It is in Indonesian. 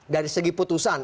dari segi putusan